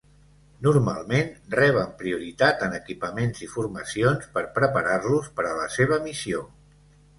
Normalment reben prioritat en equipaments i formacions per preparar-los per a la seva missió.